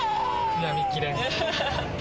悔やみきれん。